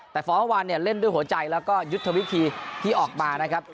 แต่ฟอร์ฟเมื่อวานเนี่ยเล่นด้วยโหจัยแล้วก็ยึดฝีคีที่ออกมานะครับ